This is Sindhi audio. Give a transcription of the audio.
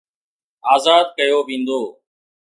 آزاد ڪيو ويندو